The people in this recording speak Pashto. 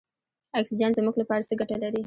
اکسیجن زموږ لپاره څه ګټه لري.